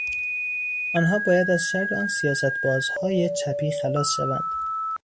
آنها باید از شر آن سیاستبازهای چپی خلاص شوند.